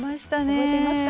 覚えていますか？